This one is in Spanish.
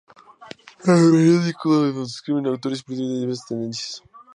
En el periódico escriben autores y políticos de diversas tendencias.